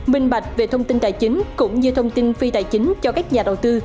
minh bạch về thông tin tài chính cũng như thông tin phi tài chính cho các nhà đầu tư